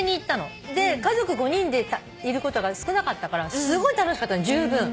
家族５人でいることが少なかったからすごい楽しかったのじゅうぶん。